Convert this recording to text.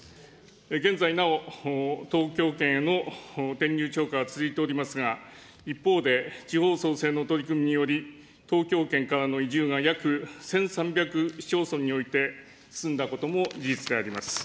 現在なお、東京圏への転入超過が続いておりますが、一方で地方創生の取り組みにより、東京圏からの移住が約１３００市町村において進んだことも事実であります。